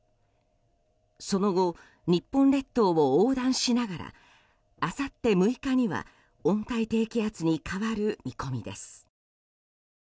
その後、日本列島を横断しながらあさって６日には温帯低気圧に変わる見込みです。